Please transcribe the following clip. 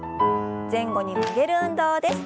前後に曲げる運動です。